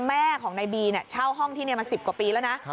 แม่ของนายบีเช่าห้องที่นี่มา๑๐กว่าปีแล้วนะ